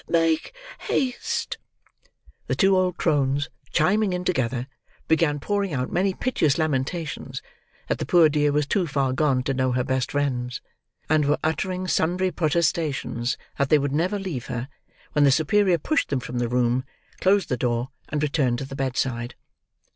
make haste!" The two old crones, chiming in together, began pouring out many piteous lamentations that the poor dear was too far gone to know her best friends; and were uttering sundry protestations that they would never leave her, when the superior pushed them from the room, closed the door, and returned to the bedside.